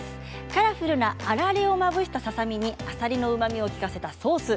カラフルなあられをまぶしたささ身に、あさりのうまみを利かせたソース。